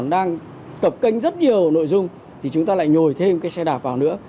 rất nhiều nội dung thì chúng ta lại nhồi thêm cái xe đạp vào nữa